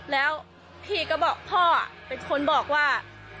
แล้วพี่ก็บอกพ่อเป็นคนบอกว่า